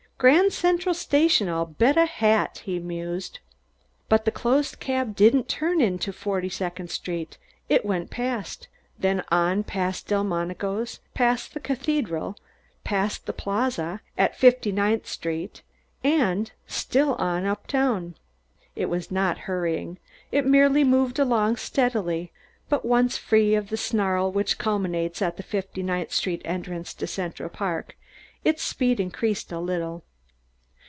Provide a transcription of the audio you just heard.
"Grand Central Station, I'll bet a hat," he mused. But the closed cab didn't turn into Forty second Street; it went past, then on past Delmonico's, past the Cathedral, past the Plaza, at Fifty ninth Street, and still on uptown. It was not hurrying it merely moved steadily; but once free of the snarl which culminates at the Fifty ninth Street entrance to Central Park, its speed was increased a little.